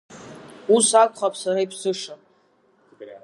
Ус акәхап, сара иԥсыша…